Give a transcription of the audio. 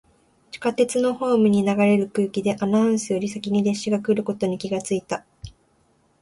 地下鉄のホームに流れる空気で、アナウンスより先に列車が来ることに気がついた。